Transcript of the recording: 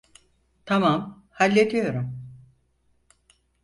Tamam, hallediyorum.